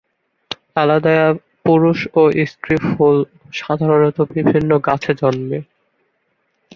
আলাদা পুরুষ ও স্ত্রী ফুল সাধারণত বিভিন্ন গাছে জন্মে।